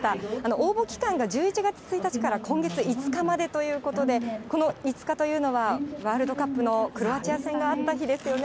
応募期間が１１月１日から今月５日までということで、この５日というのは、ワールドカップのクロアチア戦があった日ですよね。